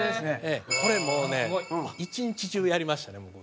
これもうね１日中やりましたね